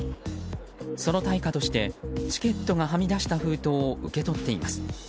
その対価として、チケットがはみ出した封筒を受け取っています。